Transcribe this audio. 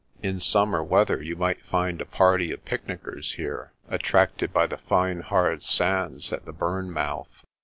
In summer weather you might find a party of picnickers here, attracted by the fine hard sands at the burn mouth.